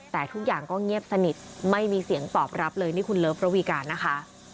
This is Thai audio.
แต่ทุกอย่างก็เงียบสนิทไม่มีเสียงตอบรับเลยนี่คุณเลิฟระวีการนะคะ